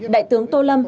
đại tướng tô lâm